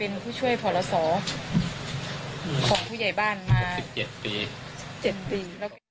เป็นผู้ช่วยพอละศของผู้ใหญ่บ้านมา๑๗ปี